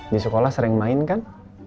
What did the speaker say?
di sekolah sering main kan